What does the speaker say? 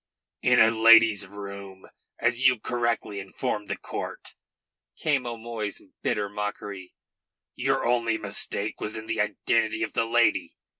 "In a lady's room, as you correctly informed the court," came O'Moy's bitter mockery. "Your only mistake was in the identity of the lady.